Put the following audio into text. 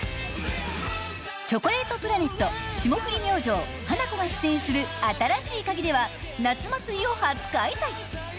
チョコレートプラネット霜降り明星、ハナコが出演する「新しいカギ」では夏祭りを初開催！